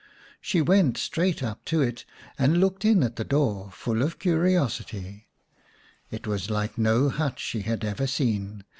She went straight up to it and looked in at the door, full of curiosity. It was like no hut she had ever seen.